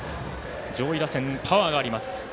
上位打線、パワーがあります。